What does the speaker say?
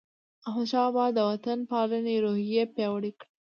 احمدشاه بابا د وطن پالنې روحیه پیاوړې کړه.